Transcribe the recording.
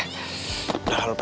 udah lalu lupa